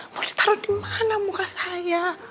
umli taro dimana muka saya